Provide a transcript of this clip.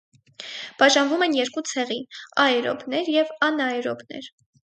Բաժանվում են երկու ցեղի, աերոբներ և անաերոբներ։